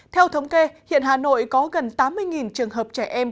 theo thống kê hiện hà nội có gần tám mươi trường hợp trẻ em